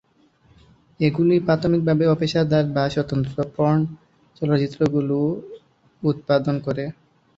এগুলি প্রাথমিকভাবে অপেশাদার বা "স্বতন্ত্র" পর্ন চলচ্চিত্রগুলি উৎপাদন করে।